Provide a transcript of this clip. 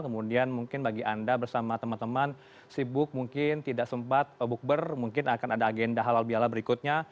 kemudian mungkin bagi anda bersama teman teman sibuk mungkin tidak sempat bukber mungkin akan ada agenda halal biala berikutnya